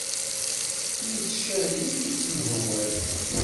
Yettcali yettemhewwal.